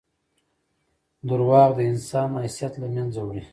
• دروغ د انسان حیثیت له منځه وړي.